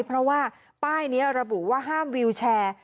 เพราะว่าป้ายนี้ระบุว่าห้ามวิวแชร์